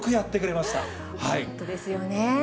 本当ですよね。